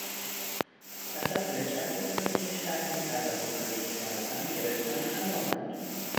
پس از رجعت به زندگی شهری اولین کاری که کردم گرفتن حمام بود.